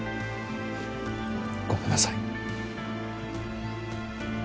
ごめんなさい。